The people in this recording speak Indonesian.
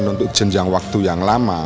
untuk jenjang waktu yang lama